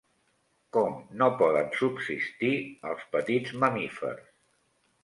Com no poden subsistir els petits mamífers?